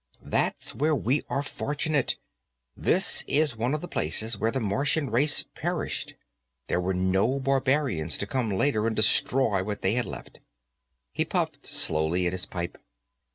That's where we are fortunate; this is one of the places where the Martian race perished, and there were no barbarians to come later and destroy what they had left." He puffed slowly at his pipe.